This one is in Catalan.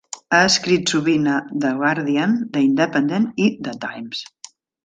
Ha escrit sovint a "The Guardian", "The Independent" i "The Times".